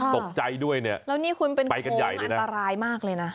ตกใจด้วยเนี่ยแล้วนี่คุณเป็นโค้งอันตรายมากเลยนะ